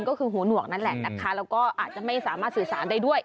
ก็คือหูหนวกนั่นแหละนะคะแล้วก็อาจจะไม่สามารถสื่อสารได้ด้วย